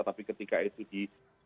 tapi ketika itu di